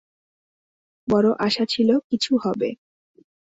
বড় আশা ছিল কিছু হবে।